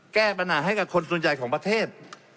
แก้ปัญหาให้กับคนส่วนใหญ่ของประเทศ